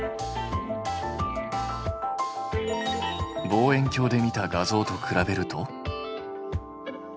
望遠鏡で見た画像と比べると。